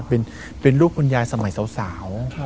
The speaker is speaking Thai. เป็นลูกคุณยายสมัยสาว